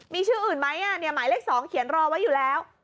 มีชื่ออื่นไหมหมายเลข๒เขียนรอไว้อยู่แล้ว